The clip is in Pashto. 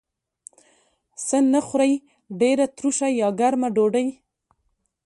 څه نه خورئ؟ ډیره تروشه یا ګرمه ډوډۍ